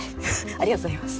ありがとうございます。